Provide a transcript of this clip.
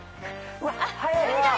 うわっ速い！